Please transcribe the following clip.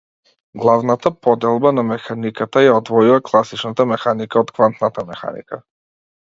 Главната поделба на механиката ја одвојува класичната механика од квантната механика.